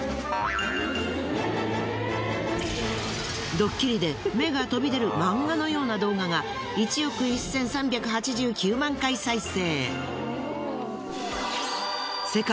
ドッキリで目が飛び出る漫画のような動画が１億１，３８９万回再生。